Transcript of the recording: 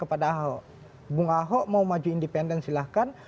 kepada ahok bung ahok mau maju independen silahkan